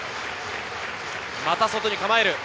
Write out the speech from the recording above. また外に構える。